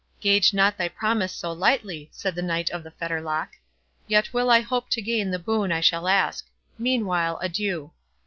"Gage not thy promise so lightly," said the Knight of the Fetterlock; "yet well I hope to gain the boon I shall ask. Meanwhile, adieu."